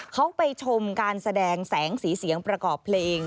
เขาไปชมการแสดงแสงสีเสียงประกอบเพลง